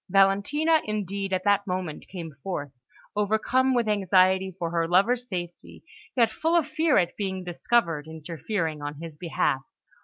Valentina, indeed, at that moment came forth, overcome with anxiety for her lover's safety, yet full of fear at being discovered interfering on his behalf.